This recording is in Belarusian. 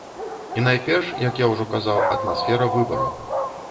І найперш, як я ўжо казаў, атмасфера выбараў.